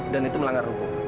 dan itu melanggar hukum